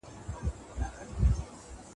زخمي نصیب تر کومه لا له بخته ګیله من سي